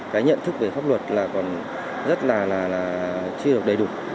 cái nhận thức về pháp luật là còn rất là chưa được đầy đủ